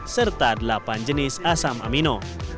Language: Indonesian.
serta delapan jenis asam amino